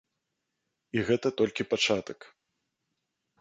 І гэта толькі пачатак!